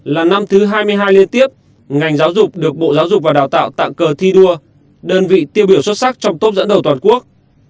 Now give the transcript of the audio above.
là năm thứ hai mươi hai liên tiếp ngành giáo dục được bộ giáo dục và đào tạo tặng cờ thi đua đơn vị tiêu biểu xuất sắc trong tốp dẫn đầu toàn quốc